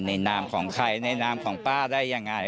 นามของใครในนามของป้าได้ยังไง